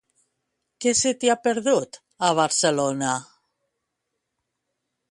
Què se t'hi ha perdut, a Barcelona?